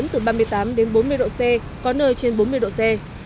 từ ba mươi tám đến bốn mươi độ c có nơi trên bốn mươi độ c